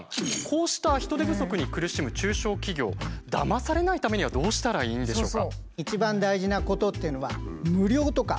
こうした人手不足に苦しむ中小企業だまされないためにはどうしたらいいんでしょうか？